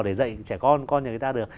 để dạy trẻ con con nhà người ta được